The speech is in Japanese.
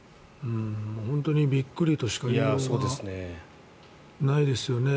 本当にびっくりとしか言いようがないですよね。